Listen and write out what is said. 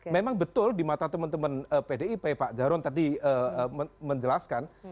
memang betul di mata teman teman pdip pak jaron tadi menjelaskan